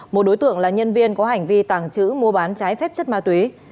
một đối tượng là nhân viên có hành vi tàng trữ mua bán trái phép chất ma túy